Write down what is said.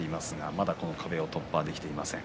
まだ壁を突破できていません。